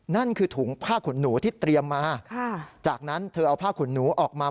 นั่นคือถุงผ้าขุนหนูที่เตรียมมาจากนั้นเธอเอาผ้าขุนหนูออกมา